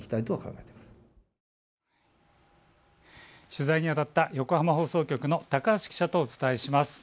取材にあたった横浜放送局の高橋記者とお伝えします。